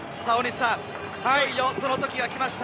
いよいよ、そのときが来ました。